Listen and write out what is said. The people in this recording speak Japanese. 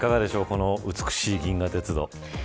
この美しい銀河鉄道。